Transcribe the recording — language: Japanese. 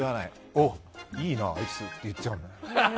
おお、いいなあいつって言っちゃうの。